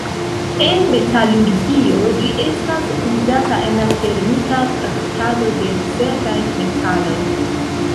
En metalurgio, ĝi estas uzata en la termika traktado de certaj metaloj.